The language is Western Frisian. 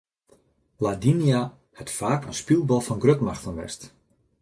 Ladinia hat faak in spylbal fan grutmachten west.